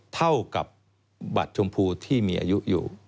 เท่ากับบัตรชมพูที่มีอายุอยู่